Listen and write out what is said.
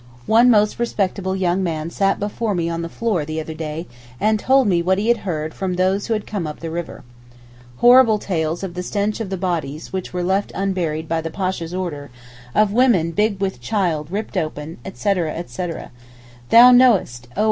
One most respectable young man sat before me on the floor the other day and told me what he had heard from those who had come up the river. Horrible tales of the stench of the bodies which are left unburied by the Pasha's order—of women big with child ripped open, etc., etc. 'Thou knowest oh!